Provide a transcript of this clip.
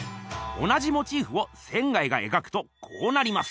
同じモチーフを仙がえがくとこうなります。